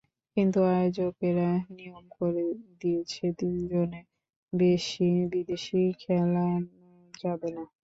কিন্তু আয়োজকেরা নিয়ম করে দিয়েছে তিনজনের বেশি বিদেশি খেলানো যাবে না।